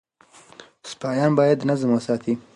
سپایان باید نظم وساتي.